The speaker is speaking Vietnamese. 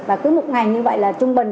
và cứ một ngày như vậy là trung bình